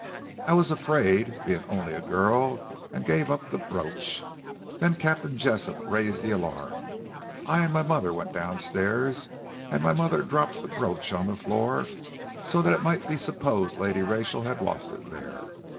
I was afraid, being only a girl, and gave up the brooch. Then Captain Jessop raised the alarm. I and my mother went downstairs, and my mother dropped the brooch on the floor, so that it might be supposed Lady Rachel had lost it there.